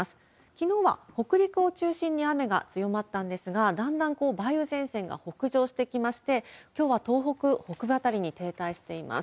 きのうは北陸を中心に雨が強まったんですが、だんだんこう、梅雨前線が北上してきまして、きょうは東北北部辺りに停滞しています。